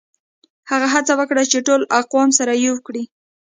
هغه هڅه وکړه چي ټول اقوام سره يو کړي.